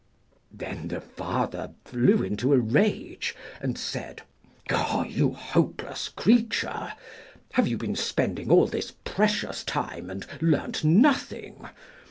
Then the father flew into a rage, and said: 'Oh, you hopeless creature, have you been spending all this precious time and learnt nothing?